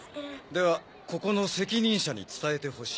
ではここの責任者に伝えてほしい。